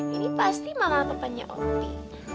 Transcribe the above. ini pasti mama temennya wopi